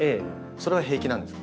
それは平気なんですか？